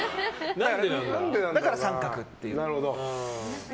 だから△っていう。